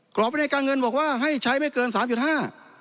วินัยการเงินบอกว่าให้ใช้ไม่เกินสามจุดห้า